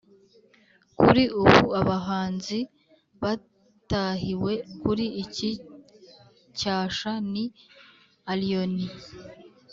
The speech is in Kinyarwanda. kuri ubu abahanzi batahiwe kuri iki cyasha ni allioni